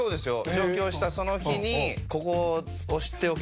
上京したその日に。